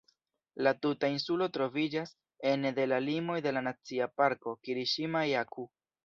La tuta insulo troviĝas ene de la limoj de la Nacia Parko "Kiriŝima-Jaku".